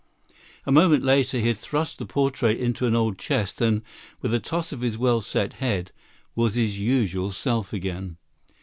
A moment later, he had thrust the portrait into an old chest and, with a toss of his well set head, was his usual self again.